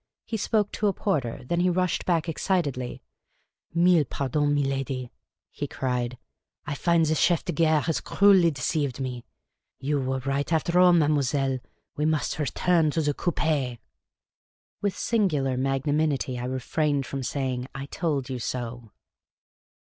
He spoke to a porter ; then he rushed back excitedly. " Milk pardons, miladi," he cried. " I find the chcf de gare has cruelly deceived me. You were right, after all, mademoiselle ! We must return to the coupi!'' With singular magnanimity, I refrained from saying, " I told you so.